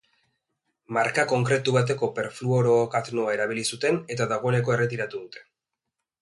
Marka konkretu bateko perfluorookatnoa erabili zuten eta dagoeneko erretiratu dute.